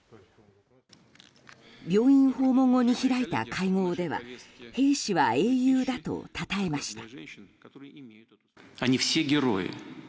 病院訪問後に開いた会合では兵士は英雄だとたたえました。